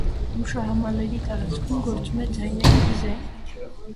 Հուշահամալիրի տարածքում գործում է ձայնային դիզայն։